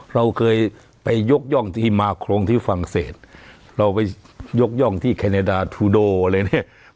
เราเคยไปยกย่องที่มาโครงที่ฝรั่งเศสเราไปยกย่องที่แคเนดาทูโดอะไรเนี่ย